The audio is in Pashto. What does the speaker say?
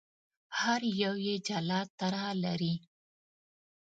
هر یو یې جلا طرح لري.